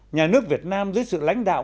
nhà nước việt nam dưới sự lãnh đạo